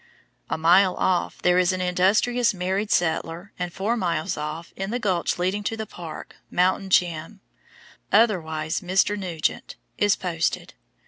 A mile off there is an industrious married settler, and four miles off, in the gulch leading to the park, "Mountain Jim," otherwise Mr. Nugent, is posted.